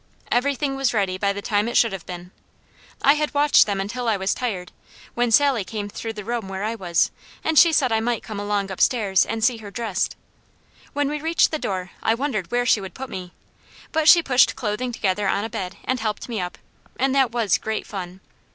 Everything was ready by the time it should have been. I had watched them until I was tired, when Sally came through the room where I was, and she said I might come along upstairs and see her dressed. When we reached the door I wondered where she would put me, but she pushed clothing together on a bed, and helped me up, and that was great fun.